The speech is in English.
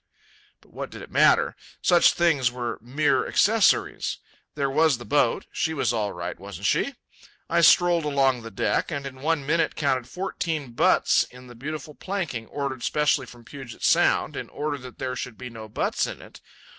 But what did it matter? Such things were mere accessories. There was the boat—she was all right, wasn't she? I strolled along the deck and in one minute counted fourteen butts in the beautiful planking ordered specially from Puget Sound in order that there should be no butts in it.